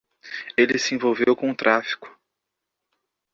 Ele se envolveu com o tráfico.